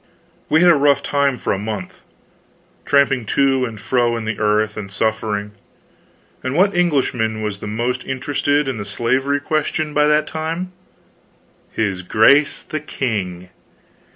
We had a rough time for a month, tramping to and fro in the earth, and suffering. And what Englishman was the most interested in the slavery question by that time? His grace the king!